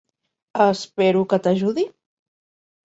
Espero que t'ajudi?